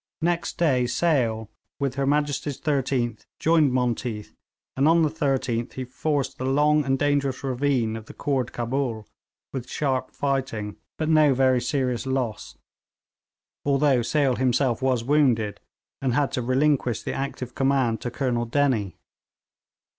Next day Sale, with H.M.'s 13th, joined Monteath, and on the 13th he forced the long and dangerous ravine of the Khoord Cabul with sharp fighting, but no very serious loss, although Sale himself was wounded, and had to relinquish the active command to Colonel Dennie.